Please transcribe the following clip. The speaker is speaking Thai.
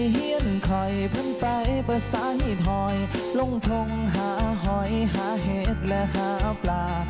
ห่าลงทงหาหอยหาเห็ดและหาปลา